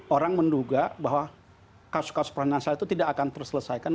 orang menduga bahwa kasus kasus peranan saya itu tidak akan terselesaikan